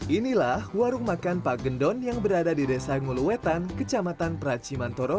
inilah warung makan pak gendon yang berada di desa nguluwetan kecamatan pracimantoro